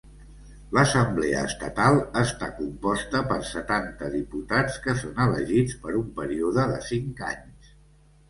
L'Assemblea Estatal està composta per setanta diputats que són elegits per un període de cinc anys.